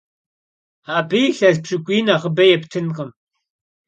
Abı yilhes pşık'uy nexhıbe yêptınkhım.